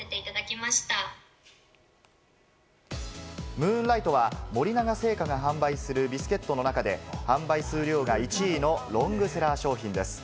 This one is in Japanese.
ムーンライトは森永製菓が販売するビスケットの中で販売数量が１位のロングセラー商品です。